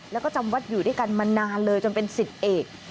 แล้วก็จำวัดอยู่ด้วยกันมานานเลยจนเป็น๑๐เอก